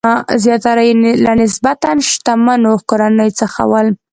زیاتره یې له نسبتاً شتمنو کورنیو څخه ول.